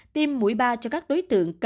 tiêm mũi ba cho các đối tượng